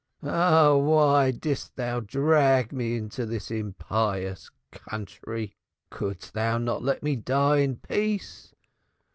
Ah! why did'st thou drag me to this impious country? Could'st thou not let me die in peace?